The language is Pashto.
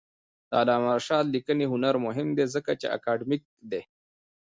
د علامه رشاد لیکنی هنر مهم دی ځکه چې اکاډمیک دی.